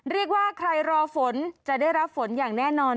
เรียกว่าใครรอฝนจะได้รับฝนอย่างแน่นอน